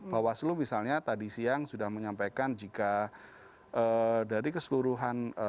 bawaslu misalnya tadi siang sudah menyampaikan jika dari keseluruhan